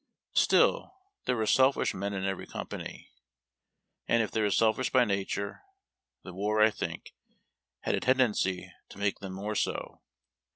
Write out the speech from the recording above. Still, there were selhsh men in every company, and, if they were selfish by nature, the war, I think, had a tendency to make them more so.